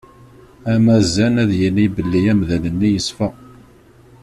Amazan ad yini belli amdan-nni yeṣfa.